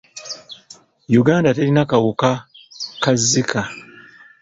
Uganda terina kawuka ka Zika.